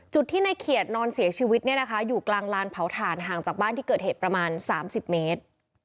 จุดที่ในเขียดนอนเสียชีวิตเนี่ยนะคะอยู่กลางลานเผาถ่านห่างจากบ้านที่เกิดเหตุประมาณ๓๐เมตร